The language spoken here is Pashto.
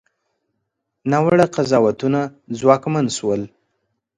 ناوړه قضاوتونه ځواکمن شول.